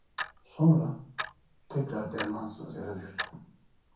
Sonra, tekrar dermansız yere düştü.